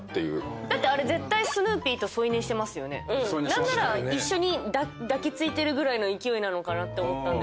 何なら抱き付いてるぐらいの勢いなのかなって思った。